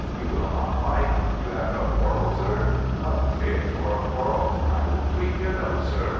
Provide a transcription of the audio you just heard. You will not fight? You have no quarrel, sir? A fig for a quarrel I I will tweak your nose, sir!